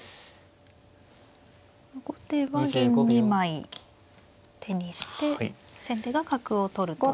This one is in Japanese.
後手は銀２枚手にして先手が角を取るという。